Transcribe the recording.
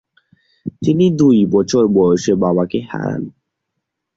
তিনি দুই বছর বয়সে বাবাকে হারান।